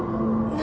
何？